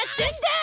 あ！